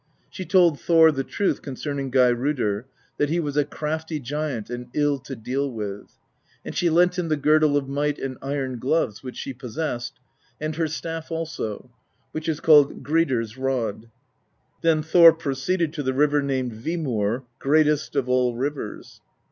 She told Thor the truth concerning Geirrodr, that he was a crafty giant and ill to deal with; and she lent him the Girdle of Might and iron gloves which she possessed, and her staff also, which was called Gridr's Rod. Then Thor proceeded to the river named Vimur, greatest of all rivers.